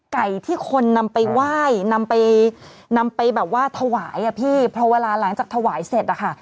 ไก่ที่คนนำไปไหว้นำไปแบบว่าถวายพอเวลาหลังจากถวายเสร็จ